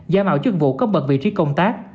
giả mạo chức vụ cấp bật vị trí công tác